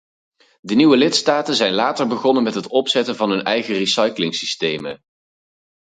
De nieuwe lidstaten zijn later begonnen met het opzetten van hun eigen recyclingsystemen.